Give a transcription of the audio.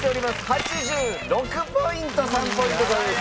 ８６ポイント３ポイント差です。